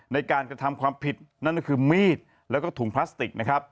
ในการกระทำความผิดนั่นก็คือมีดแล้วก็ถุงพลาสติกนะครับ